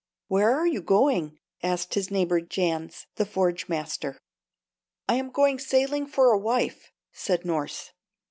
"Where are you going?" asked his neighbor Jans, the forge master. "I am going sailing for a wife," said Norss.